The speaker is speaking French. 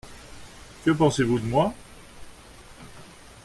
Que pensez-vous de moi ?